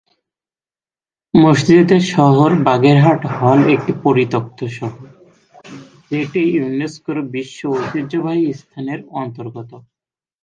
মসজিদের শহর বাগেরহাট হল একটি পরিত্যক্ত শহর, যেটি ইউনেস্কোর বিশ্ব ঐতিহ্যবাহী স্থানের অন্তর্গত।